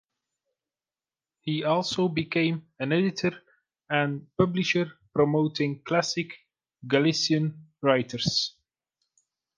He also became an editor and publisher, promoting classic Galician writers.